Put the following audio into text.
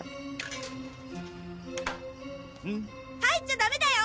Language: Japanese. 入っちゃダメだよ！